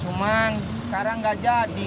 cuman sekarang gak jadi